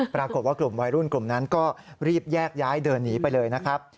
ปรากฏว่ากลุ่มวัยรุ่นกลุ่มนั้นก็รีบแยกย้ายเดินหนีไปเลยนะครับ